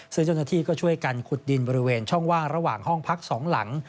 ซึ่งเจ้าหน้าที่ก็ช่วยกันขุดดินบริเวณช่องว่างระหว่างห้องพัก๒หลัง